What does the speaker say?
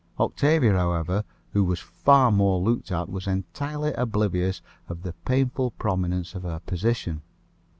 Octavia, however, who was far more looked at, was entirely oblivious of the painful prominence of her position.